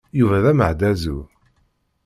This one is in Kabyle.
Yuba d ameɛdazu.